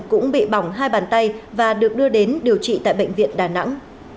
cũng bị bỏng hai bàn tay và được đưa đến điều trị tại bệnh viện đà nẵng